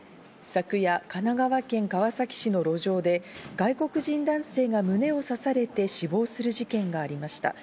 昨夜、神奈川県川崎市の路上で外国人男性が胸を刺されて死亡する事件がありました。